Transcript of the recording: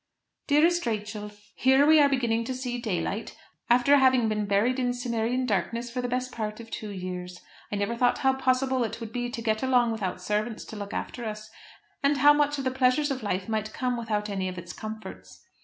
DEAREST RACHEL, Here we are beginning to see daylight, after having been buried in Cimmerian darkness for the best part of two years. I never thought how possible it would be to get along without servants to look after us, and how much of the pleasures of life might come without any of its comforts.